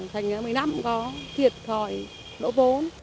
thành một mươi năm cũng có thiệt thòi lỗ vốn